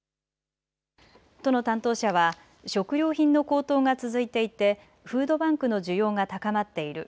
都の担当者は、食料品の高騰が続いていてフードバンクの需要が高まっている。